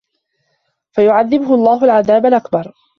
فَيُعَذِّبُهُ اللَّهُ العَذابَ الأَكبَرَ